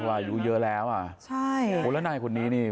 ว่าอายุเยอะแล้วผลนายคนนี้นี่